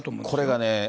これがね。